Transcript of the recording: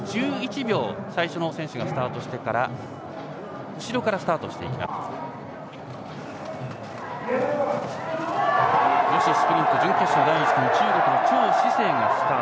１１秒、最初の選手がスタートしてから後ろからスタートします。